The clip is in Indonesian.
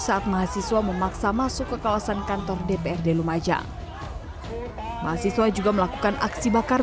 saat mahasiswa memaksa masuk ke kawasan kantor dprd lumajang mahasiswa juga melakukan aksi bakar